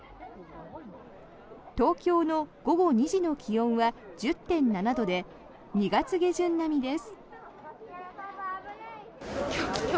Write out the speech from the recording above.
東京の午後２時の気温は１０．７度で２月下旬並みです。